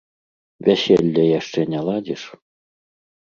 Вяселля яшчэ не ладзіш?